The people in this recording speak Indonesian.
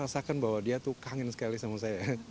rasakan bahwa dia tuh kangen sekali sama saya